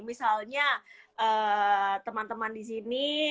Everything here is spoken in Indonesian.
misalnya teman teman di sini